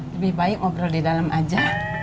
lebih baik ngobrol di dalam aja